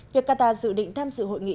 việc qatar dự định tham dự hội nghị